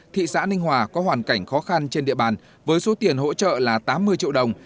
thị xã ninh hòa có hoàn cảnh khó khăn trên địa bàn với số tiền hỗ trợ là tám mươi triệu đồng